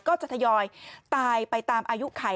ก็จะทยอยตายไปตามอายุไข่